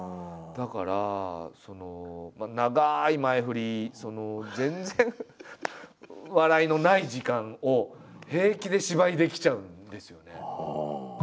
だから長い前振り全然笑いのない時間を平気で芝居できちゃうんですよね。